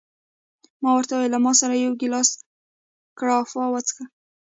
ما ورته وویل: له ما سره یو ګیلاس ګراپا وڅښه.